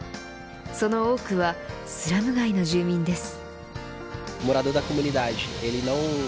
その多くはスラム街の住民です。